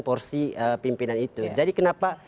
porsi pimpinan itu jadi kenapa